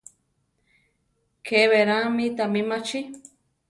Ke berá mi tami machí.